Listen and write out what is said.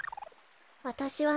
わたしはね